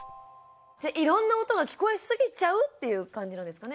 じゃあいろんな音が聞こえすぎちゃうっていう感じなんですかね？